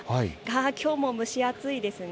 きょうも蒸し暑いですね。